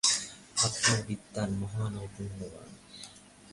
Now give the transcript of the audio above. আপনি বিদ্বান্, মহান ও পুণ্যবান্।